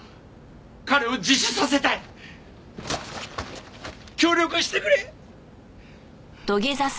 彼を自首させたい！協力してくれ！